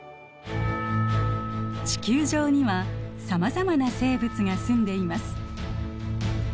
地球上にはさまざまな生物がすんでいます。